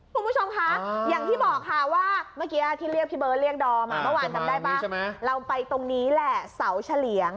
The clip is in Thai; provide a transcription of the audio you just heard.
คุณผู้ชมคะอย่างที่บอกค่ะว่าเมื่อกี้ที่เรียกพี่เบิร์ตเรียกดอมเมื่อวานจำได้ป่ะเราไปตรงนี้แหละเสาเฉลี่ยง